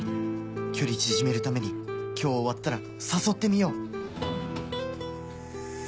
距離縮めるために今日終わったら誘ってみよう